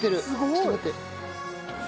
ちょっと待って。